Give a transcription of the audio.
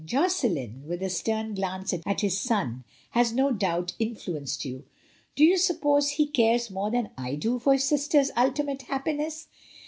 Josselin," with a stern glance at his son, "has no doubt influenced you. Do you suppose he cares more than I do for his sister's ultimate happiness?